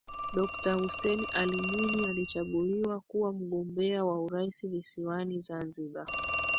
Dokta Hussein Ali Mwinyi alichaguliwa kuwa mgombea wa urais visiwani Zanzibar